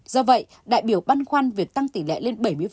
do vậy đại biểu băn khoăn việc tăng tỷ lệ lên bảy mươi